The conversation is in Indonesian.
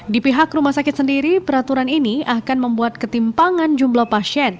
di pihak rumah sakit sendiri peraturan ini akan membuat ketimpangan jumlah pasien